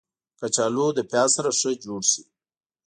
کچالو له پیاز سره ښه جوړ شي